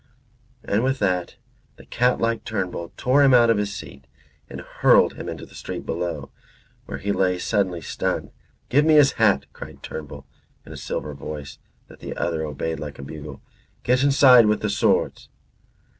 and with that the catlike Turnbull tore him out of his seat and hurled him into the street below, where he lay suddenly stunned. "Give me his hat," said Turnbull in a silver voice, that the other obeyed like a bugle. "And get inside with the swords."